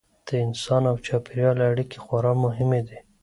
د انسان او چاپیریال اړیکې خورا مهمې دي.